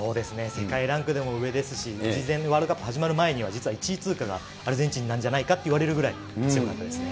世界ランクでも上ですし、事前に、ワールドカップ始まる前には実は１位通過がアルゼンチンなんじゃないかと言われるぐらい強かったですね。